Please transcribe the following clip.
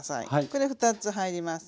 これ２つ入ります。